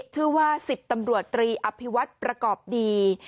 ชื่อว่าสิทธิ์ตำรวจตรีอภิวัติประกอบดี